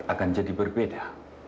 akan jadi berbeda